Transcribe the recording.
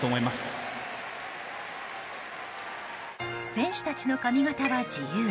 選手たちの髪形は自由。